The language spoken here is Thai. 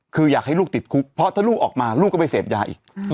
คืออยากให้ลูกติดคุกเพราะถ้าลูกออกมาลูกก็ไปเสพยาอีก